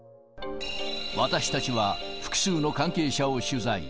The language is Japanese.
私たちは複数の関係者を取材。